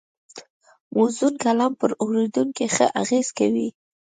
موزون کلام پر اورېدونکي ښه اغېز کوي